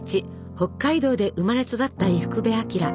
北海道で生まれ育った伊福部昭。